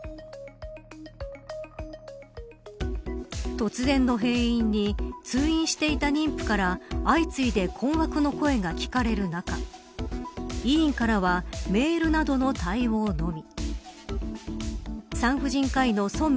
突然の閉院に通院していた妊婦から相次いで困惑の声が聞こえる中医院からはメールなどの対応のみ。